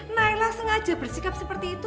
naila sengaja bersikap seperti itu